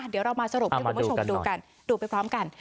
เดี๋ยวเรามาสรุปให้คุณผู้ชมดูกันดูไปพร้อมกัน